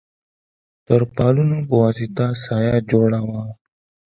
تر پالونو په واسطه سایه جوړه وه.